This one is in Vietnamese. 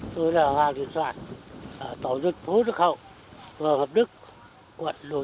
tôi là hoàng duyên soạn tổ dân phố đức hậu phường hợp đức quận đồ sơn